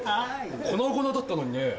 粉々だったのにねぇ。